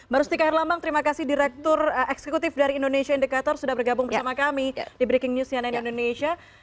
pak sherlambang terima kasih direktur eksekutif dari indonesia indicator sudah bergabung bersama kami di breaking news cnn indonesia